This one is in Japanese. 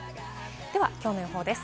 では、きょうの予報です。